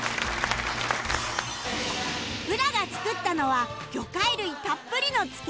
浦が作ったのは魚介類たっぷりのつけ麺風